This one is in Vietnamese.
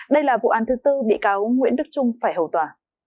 đây là vụ án thứ tư bị cáo nguyễn đức trung phải hầu tòa